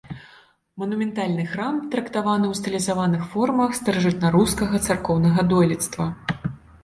Манументальны храм трактаваны ў стылізаваных формах старажытнарускага царкоўнага дойлідства.